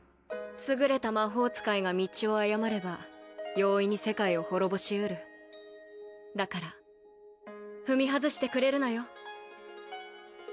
優れた魔法使いが道を誤れば容易に世界を滅ぼしうるだから踏み外してくれるなよ